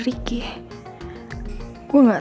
perlu berhenti paham